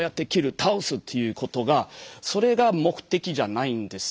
倒すっていうことがそれが目的じゃないんですよ。